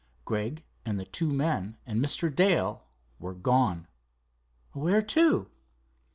"Gregg and the two men and Mr. Dale were gone." "Where to?"